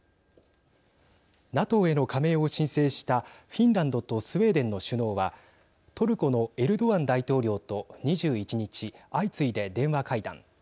ＮＡＴＯへの加盟を申請したフィンランドとスウェーデンの首脳はトルコのエルドアン大統領と２１日相次いで電話会談。